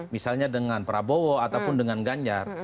misalnya dengan prabowo ataupun dengan ganjar